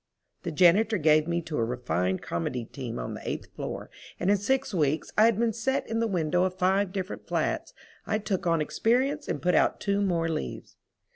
The janitor gave me to a refined comedy team on the eighth floor, and in six weeks I had been set in the window of five different flats. I took on experience and put out two more leaves.